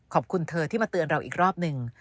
เธอที่มาเตือนเราอีกรอบหนึ่ง